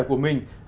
của các em